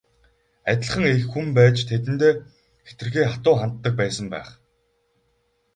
Адилхан эх хүн байж тэдэндээ хэтэрхий хатуу ханддаг байсан байх.